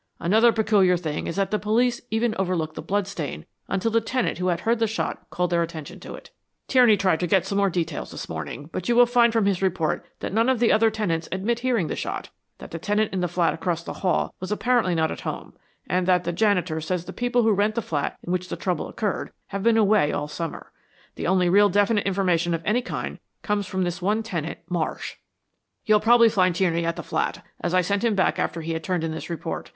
Another peculiar thing is that the police even overlooked the bloodstain until the tenant who had heard the shot called their attention to it. Tierney tried to get some more details this morning, but you will find from his report that none of the other tenants admit hearing the shot; that the tenant in the flat across the hall was apparently not at home, and that the janitor says the people who rent the flat in which the trouble occurred, have been away all summer. The only really definite information of any kind comes from this one tenant, Marsh." "You'll probably find Tierney at the flat, as I sent him back after he had turned in this report.